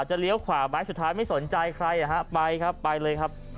เลี้ยวขวาไหมสุดท้ายไม่สนใจใครไปครับไปเลยครับ